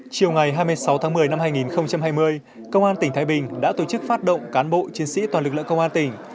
chiều ngày hai mươi sáu tháng một mươi năm hai nghìn hai mươi công an tỉnh thái bình đã tổ chức phát động cán bộ chiến sĩ toàn lực lượng công an tỉnh